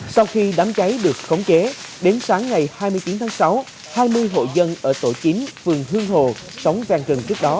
sau khi đám cháy được khống chế đến sáng ngày hai mươi chín tháng sáu hai mươi hộ dân ở tổ chín phường hương hồ sống ven rừng trước đó